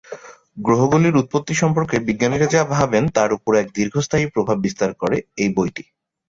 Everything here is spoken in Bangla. গ্রহগুলির উৎপত্তি সম্পর্কে বিজ্ঞানীরা যা ভাবেন তার উপর এক দীর্ঘস্থায়ী প্রভাব বিস্তার করে এই বইটি।